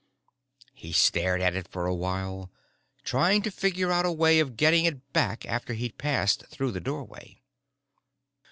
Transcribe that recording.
He stared at it for a while, trying to figure out a way of getting it back after he'd passed through the doorway.